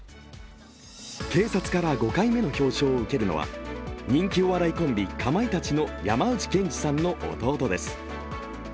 警察から５回目の表彰を受けるのは人気お笑いコンビ、かまいたちの山内健司さんの弟です。